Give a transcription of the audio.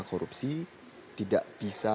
korupsi tidak bisa